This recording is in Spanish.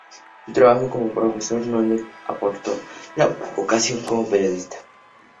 Su trabajo como profesor no le apartó de la vocación como periodista.